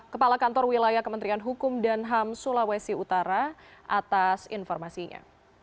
kepala kantor wilayah kementerian hukum dan ham sulawesi utara atas informasinya